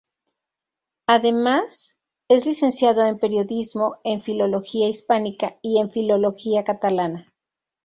Además, es licenciado en Periodismo, en Filología hispánica y en Filología catalana.